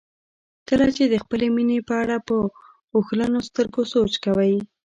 کله چې د خپلې مینې په اړه په اوښلنو سترګو سوچ کوئ.